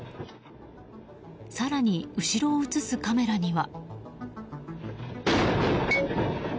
更に、後ろを映すカメラには。